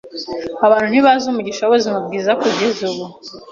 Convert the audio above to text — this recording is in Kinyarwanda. Abantu ntibazi umugisha wubuzima bwiza kugeza babuze.